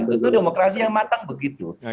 tentu demokrasi yang matang begitu